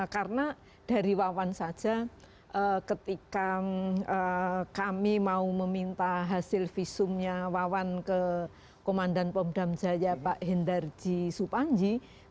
karena dari wawan saja ketika kami mau meminta hasil visumnya wawan ke komandan pemdam jaya pak hendarji